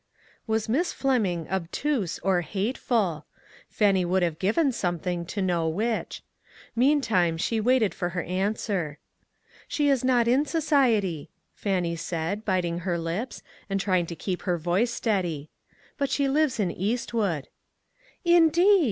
Was Miss Fleming obtuse or hateful ? Fannie would have given something to know which. Meantime, she waited for her an swer. "She is not in society," Fannie said, biting her lips, and trying to keep her voice steady, "but she lives in Eastwood." " Indeed